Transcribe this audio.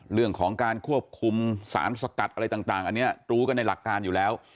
เรื่องของการควบคุมสารสกัดอะไรต่างอันนี้รู้กันในหลักการอยู่แล้ว